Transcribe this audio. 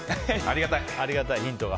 ありがたい、ヒントが。